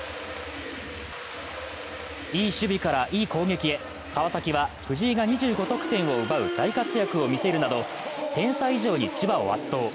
いい守備からいい攻撃へ、川崎は藤井が２５得点を奪う大活躍を見せるなど点差以上に千葉を圧倒。